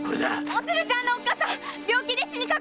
おつるちゃんのおっかさん病気で死にかかってるんです！